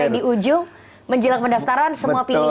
jadi di ujung menjelang pendaftaran semua pilihan bisa berubah